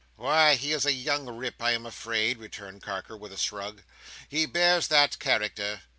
"Why, he is a young rip, I am afraid," returned Carker, with a shrug. "He bears that character.